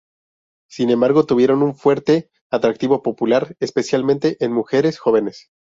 Sin embargo, tuvieron un fuerte atractivo popular, especialmente en mujeres jóvenes.